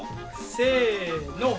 せの。